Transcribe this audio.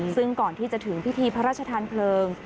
ซึ่งก่อนที่จะถึงพิธีพระราชทานเพลิง